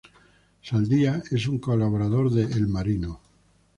Saldías es un colaborador de "El Marino".